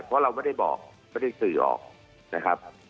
เพราะเราไม่ที่บอกไม่ตื่อสือก